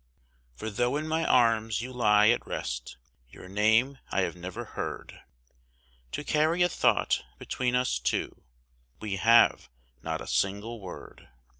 For though in my arms you lie at rest, your name I have never heard, To carry a thought between us two, we have not a single word.